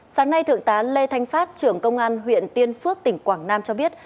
sáng nay thượng tá lê thanh phát trưởng công an huyện tiên phước tỉnh quảng nam cho biết